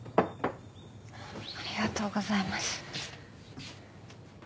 ありがとうございます。